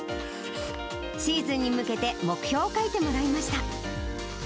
シーズンに向けて、目標を書いてもらいました。